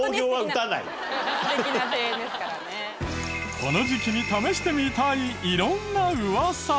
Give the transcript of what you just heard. この時期に試してみたい色んなウワサ。